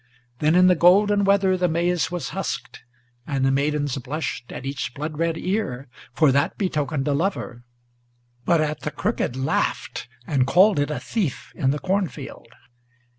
Then in the golden weather the maize was husked, and the maidens Blushed at each blood red ear, for that betokened a lover, But at the crooked laughed, and called it a thief in the cornfield.